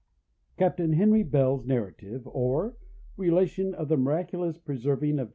CAPTAIN HENRY BELL'S NARRATIVE: OR, RELATION OF THE MIRACULOUS PRESERVING OF DR.